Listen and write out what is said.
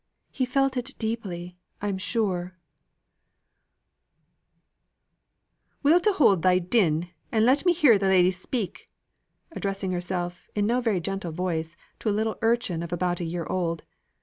"He felt it deeply, I'm sure " "Willto' hold thy din, and let me hear the lady speak!" addressing herself, in no very gentle voice, to a little urchin of about a year old.